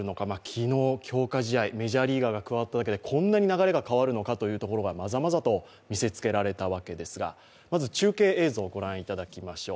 昨日、強化試合、メジャーリーガーが加わっただけでこんなに流れが変わるのかというところがまざまざと見せつけられたわけですが、まず中継映像、ご覧いただきましょう。